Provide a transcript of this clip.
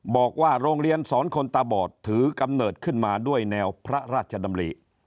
บอกว่าโรงเรียนสอนคนตาบอดถือกำเนิดขึ้นมาด้วยแนวพระราชดำริ